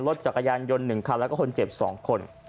รถจักรยานยนต์๑คันแล้วก็คนเจ็บ๒คน